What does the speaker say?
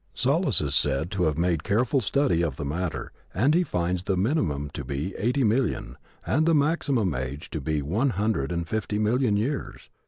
Sollas is said to have made careful study of the matter and he finds the minimum to be eighty million, and the maximum age to be one hundred and fifty million years.